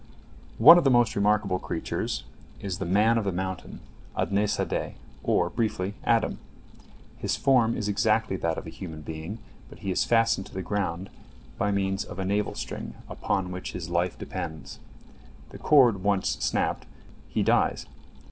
One of the most remarkable creatures is the "man of the mountain," Adne Sadeh, or, briefly, Adam. His form is exactly that of a human being, but he is fastened to the ground by means of a navel string, upon which his life depends. The cord once snapped, he dies.